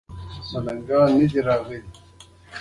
چاکلېټ د زیږون د جشن برخه ده.